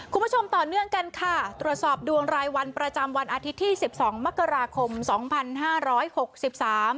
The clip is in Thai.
คุณผู้ชมต่อเนื่องกันค่ะตรวจสอบดวงรายวันประจำวันอาทิตย์ที่สิบสองมกราคมสองพันห้าร้อยหกสิบสาม